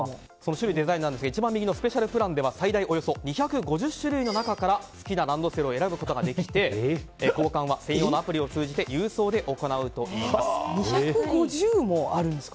種類、デザインなんですが一番右のスペシャルプランでは最大およそ２５０種類の中から好きなランドセルを選ぶことができて交換は専用のアプリを通じて２５０もあるんですか。